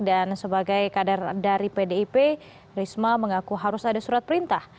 dan sebagai kadar dari pdip risma mengaku harus ada surat perintah